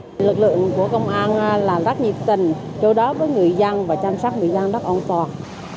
thì lực lượng của công an là rất nhiệt tình chỗ đó với người dân và chăm sóc người dân rất an toàn